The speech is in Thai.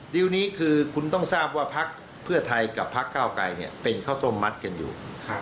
ดิวนี้คือคุณต้องทราบว่าภักดิ์เพื่อไทยกับภักดิ์ก้าวไกรเนี่ยเป็นเข้าต้มมัดกันอยู่